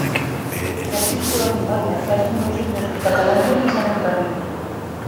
Narcís Colom i Molla va ser un músic nascut a Calonge i Sant Antoni.